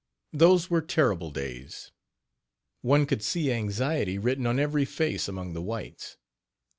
Those were terrible days. One could see anxiety written on every face among the whites.